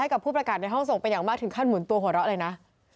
กับผู้ประกาศในห้องส่งเป็นอย่างมากถึงขั้นหมุนตัวหัวเราะเลยนะ